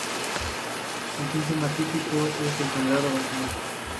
El síntoma típico es el sangrado vaginal.